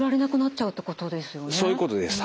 そういうことです。